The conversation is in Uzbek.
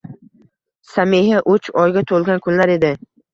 Samiha uch oyga to'lgan kunlar edi.